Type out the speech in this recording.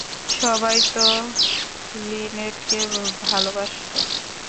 সবাই তো লিনেটকে ভালোবাসত!